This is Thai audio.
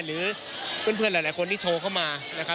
หรือเพื่อนหลายคนที่โทรเข้ามา